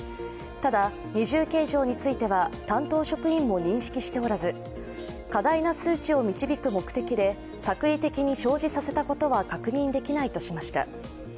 ただ、二重計上については担当職員も認識しておらず過大な数値を導く目的で作為的に生じさせたことは確認できないとしました。